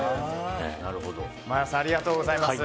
魔耶さんありがとうございます。